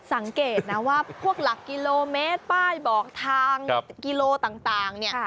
สังเกตนะว่าพวกหลักกิโลเมตรป้ายบอกทางกิโลต่างเนี่ย